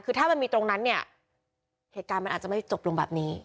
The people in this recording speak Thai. คือถ้ามันมีตรงนั้นเนี่ยเหตุการณ์มันอาจจะไม่จบลงแบบนี้